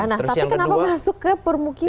nah tapi kenapa masuk ke permukiman